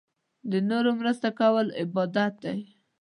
د نورو مرسته کول عبادت دی.